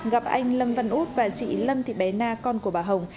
gặp anh lâm văn út và chị lâm thị bé na con của bà hồng